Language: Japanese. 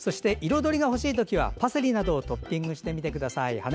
彩りが欲しいときはパセリなどをトッピングしてみてください。